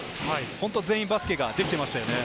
本当、全員バスケができていましたよね。